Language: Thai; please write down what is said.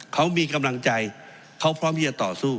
เขามีกำลังใจเขาพร้อมที่จะต่อสู้